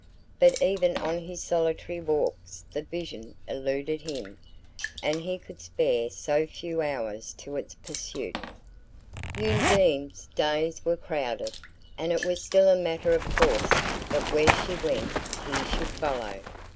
But even on his solitary walks the vision eluded him; and he could spare so few hours to its pursuit! Undine's days were crowded, and it was still a matter of course that where she went he should follow.